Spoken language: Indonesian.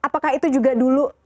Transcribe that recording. maka itu juga dulu